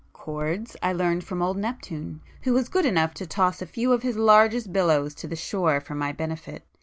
Chords I learned from old Neptune, who was good enough to toss a few of his largest billows to the shore for my special benefit.